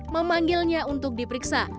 memanggilnya untuk diperiksa